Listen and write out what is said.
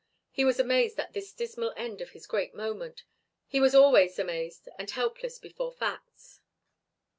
He was amazed at this dismal end of his great moment he was always amazed and helpless before facts.